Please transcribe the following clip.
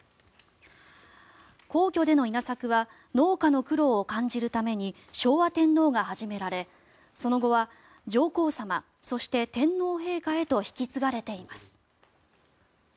皇居での稲作は農家の苦労を感じるために昭和天皇が始められ、その後は上皇さま、そして天皇陛下へと引き継がれています。